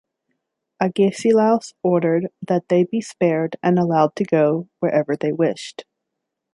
Agesilaus ordered that they be spared and allowed to go wherever they wished.